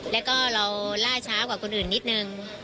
แล้วก็เราล่าช้ากว่าคนอื่นนิดนึง